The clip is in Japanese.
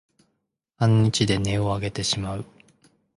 半日で音をあげてしまう